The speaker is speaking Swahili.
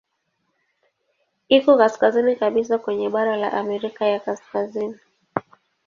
Iko kaskazini kabisa kwenye bara la Amerika ya Kaskazini.